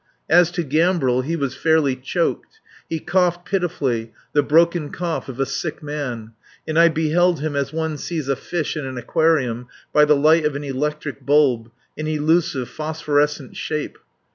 As to Gambril, he was fairly choked. He coughed pitifully, the broken cough of a sick man; and I beheld him as one sees a fish in an aquarium by the light of an electric bulb, an elusive, phosphorescent shape.